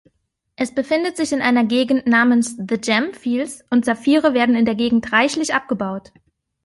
Es befindet sich in einer Gegend namens The Gemfields und Sapphiere werden in der Gegend reichlich abgebaut.